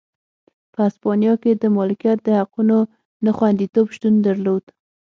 په هسپانیا کې د مالکیت د حقونو نه خوندیتوب شتون درلود.